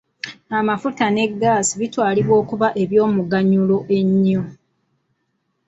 Amafuta ne gaasi bitwalibwa okuba eby'omuganyulo ennyo.